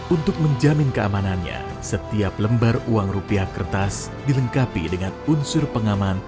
untuk menjamin keamanannya setiap lembar uang rupiah kertas dilengkapi dengan unsur pengaman